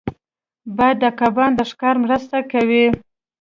باد د کبان د ښکار مرسته کوي